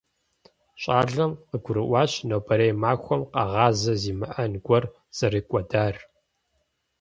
Щӏалэм къыгурыӀуащ нобэрей махуэм къэгъазэ зимыӀэн гуэр зэрыдэкӀуэдар.